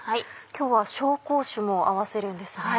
今日は紹興酒も合わせるんですね。